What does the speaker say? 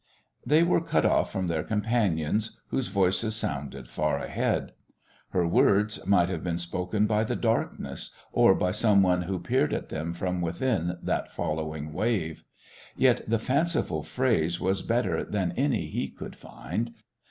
They were cut off from their companions, whose voices sounded far ahead. Her words might have been spoken by the darkness, or by some one who peered at them from within that following wave. Yet the fanciful phrase was better than any he could find.